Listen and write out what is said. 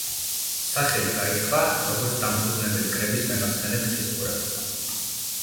სახელი გაითქვა, როგორც დამფუძნებელი კრების მემარცხენე ფრთის ორატორმა.